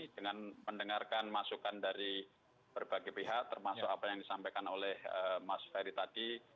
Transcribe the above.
dengan mendengarkan masukan dari berbagai pihak termasuk apa yang disampaikan oleh mas ferry tadi